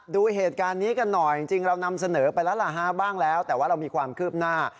ดูเหตุการณ์นี้กันหน่อยจริงเรานำเสนอไปแล้วล่ะฮะบ้างแล้วแต่ว่าเรามีความคืบหน้า